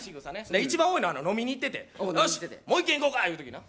いちばん多いのは飲みに行ってて「よし、もう１軒行こうか！」いう時な。